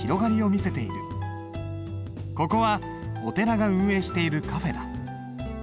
ここはお寺が運営しているカフェだ。